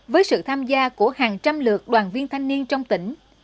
với sự tham gia của hàng trăm lượt đoàn viên thanh niên trong tỉnh